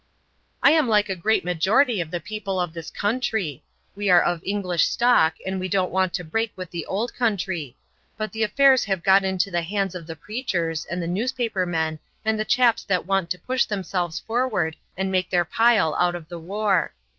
"I am like the great majority of the people of this country. We are of English stock and we don't want to break with the Old Country; but the affairs have got into the hands of the preachers, and the newspaper men, and the chaps that want to push themselves forward and make their pile out of the war.